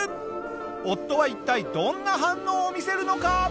夫は一体どんな反応を見せるのか？